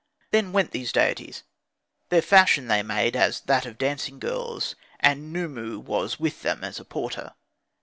Then went these deities; their fashion they made as that of dancing girls, and Khnumu was with them as a porter.